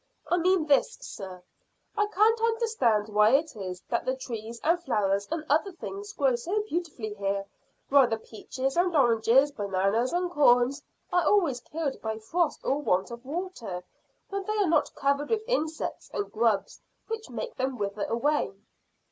I mean this, sir; I can't understand why it is that the trees and flowers and other things grow so beautifully here, while the peaches and oranges, bananas and corns are always killed by frost or want of water, when they are not covered with insects and grubs which make them wither away."